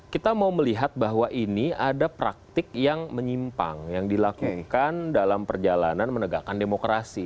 kita mau melihat bahwa ini ada praktik yang menyimpang yang dilakukan dalam perjalanan menegakkan demokrasi